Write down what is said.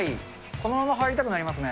このまま入りたくなりますね。